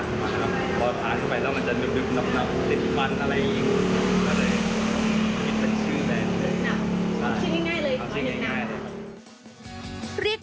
ขึ้นได้เลย